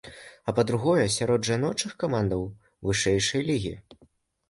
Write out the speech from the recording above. А па другое, сярод жаночых камандаў вышэйшай лігі.